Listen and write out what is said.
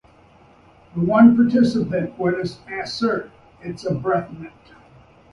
The one participant would assert, It's a breath mint!